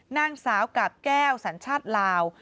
นางสาวกาบแก้วสัญชาติลาว